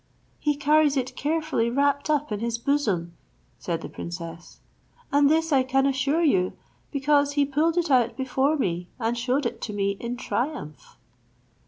"He carries it carefully wrapped up in his bosom," said the princess; "and this I can assure you, because he pulled it out before me, and shewed it to me in triumph."